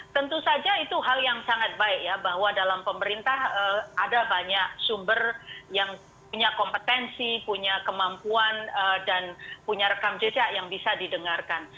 tentu saja itu hal yang sangat baik ya bahwa dalam pemerintah ada banyak sumber yang punya kompetensi punya kemampuan dan punya rekam jejak yang bisa didengarkan